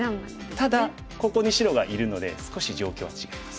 ただここに白がいるので少し状況は違います。